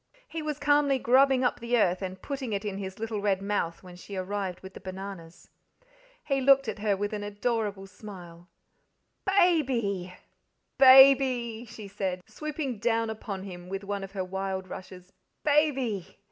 He was calmly grubbing up the earth and putting it in his little red mouth when she arrived with the bananas. He looked up at her with an adorable smile. "BABY!" she said, swooping down upon him with one of her wild rushes. "BABY!"